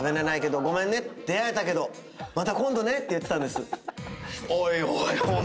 出合えたけどまた今度ねって言ってたんです。